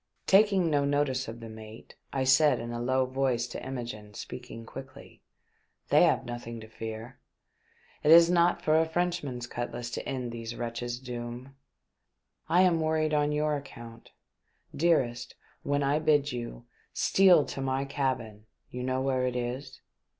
Taking no notice of the mate, I said in a low voice to Imogene, speaking quickly, " They have nothing to fear. It is not for a Frenchman's cutlass to end these wretches' doom. I am worried on your account. Dearest, when I bid you, steal to my cabin — you know where it is